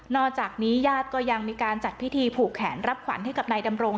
จากนี้ญาติก็ยังมีการจัดพิธีผูกแขนรับขวัญให้กับนายดำรง